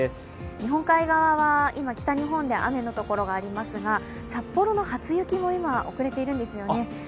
日本海側は今、北日本で雨の所がありますが札幌の初雪も今、遅れているんですよね。